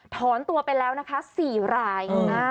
ถอนตัวไปแล้วนะคะ๔ราย